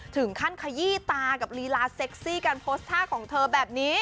ขยี้ตากับลีลาเซ็กซี่การโพสต์ท่าของเธอแบบนี้